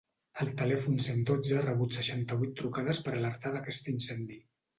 El telèfon cent dotze ha rebut seixanta-vuit trucades per alertar d’aquest incendi.